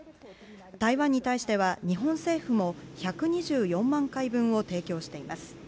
台湾に対しては日本政府も１２４万回分を提供しています。